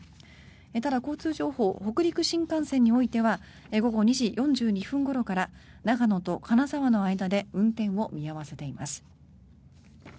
ただ、交通情報北陸新幹線においては午後２時４２分ごろから長野と金沢の間で運転を見合わせています。